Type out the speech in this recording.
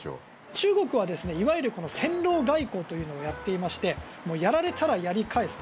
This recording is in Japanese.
中国はいわゆる戦狼外交というのをやっていましてやられたらやり返すと。